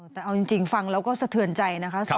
แต่เอาจริงฟังแล้วก็สะเทือนใจนะคะ